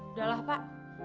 udah lah pak